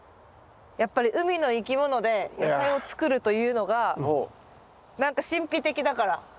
やっぱり海の生き物で野菜を作るというのが何か神秘的だから。